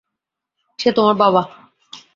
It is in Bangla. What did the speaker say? সে তোমার বাবা।